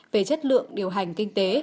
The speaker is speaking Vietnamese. về chất lượng điều hành kinh tế